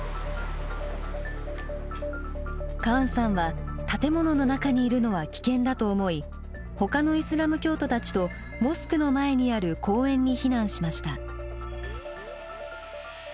カーンさんは建物の中にいるのは危険だと思いほかのイスラム教徒たちとモスクの前にある公園に避難しました。